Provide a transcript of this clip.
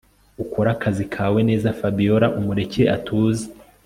ukore akazi kawe neza Fabiora umureke atuze